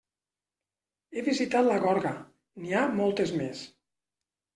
He visitat la gorga, n'hi ha moltes més.